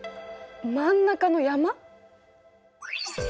真ん中の山？